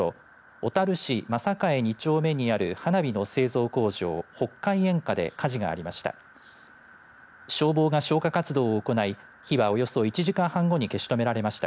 小樽市真栄２丁目にある花火の製造工場北海煙火で火事がありました。